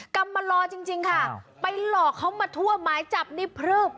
กลับมารอจริงจริงค่ะไปหลอกเขามาทั่วหมายจับนิพพฤบ